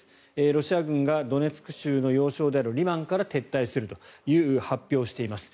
ロシア軍がドネツク州の要衝であるリマンから撤退するという発表をしています。